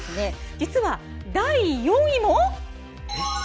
実は第４位も。